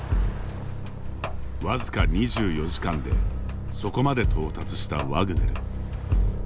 僅か２４時間でそこまで到達したワグネル。